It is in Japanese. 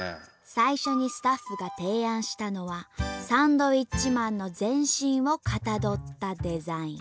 最初にスタッフが提案したのはサンドウィッチマンの全身をかたどったデザイン。